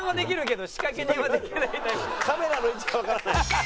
カメラの位置がわからない。